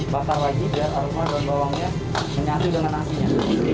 bakar lagi biar aroma daun bawangnya menyatu dengan nasinya